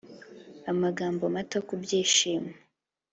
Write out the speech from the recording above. amagambo mato ku byishimo